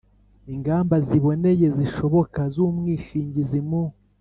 ingamba ziboneye zishoboka z umwishingizi mu